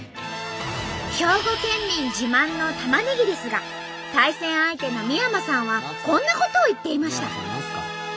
兵庫県民自慢のたまねぎですが対戦相手の三山さんはこんなことを言っていました。